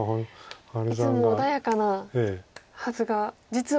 いつも穏やかなはずが実は。